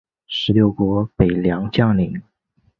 十六国北凉将领。